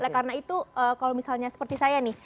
karena itu kalau misalnya seperti saya nih